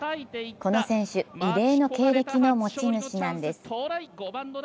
この選手、異例の経歴の持ち主なんです。